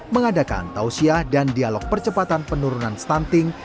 mengadakan tausiah dan dialog percepatan penurunan stunting